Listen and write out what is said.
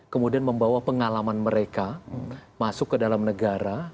kemudian membawa pengalaman mereka masuk ke dalam negara